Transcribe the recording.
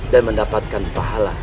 dan mendapatkan pahala